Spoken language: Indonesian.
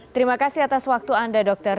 terima kasih atas waktu anda dokter